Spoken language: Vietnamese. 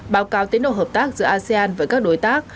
báo cáo tiến độ hợp tác giữa asean với các đối tác